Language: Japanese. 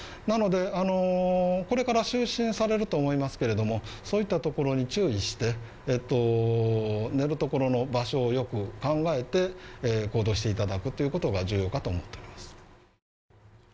なのでこれから就寝されると思いますけれども、そういったところに注意して寝るところの場所をよく考えて行動していただくということが重要かと思っております。